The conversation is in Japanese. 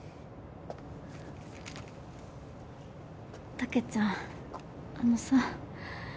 たけちゃんあのさ。